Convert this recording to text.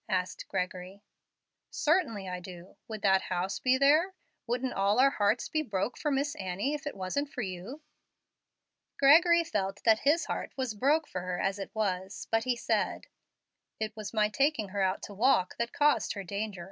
asked Gregory. "Certain I do. Would that house be there? Wouldn't all our hearts be broke for Miss Annie if it wasn't for you?" Gregory felt that his heart was "broke" for her as it was, but he said, "It was my taking her out to walk that caused her danger.